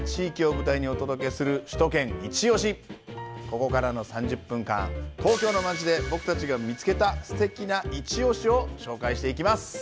ここからの３０分間東京の街で僕たちが見つけたすてきないちオシを紹介していきます。